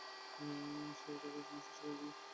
সেও তাকে বুঝানোর চেষ্টা করেছিল।